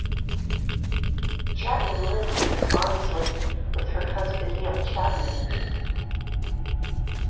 Chapman lives near Barnsley with her husband Neil Chapman.